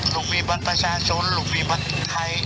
ลูกมีบัตรประชาชนลูกมีบัญชีไทย